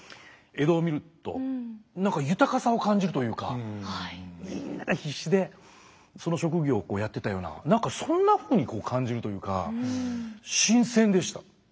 江戸を見ると何か豊かさを感じるというかみんなが必死でその職業をこうやってたような何かそんなふうに感じるというか新鮮でした。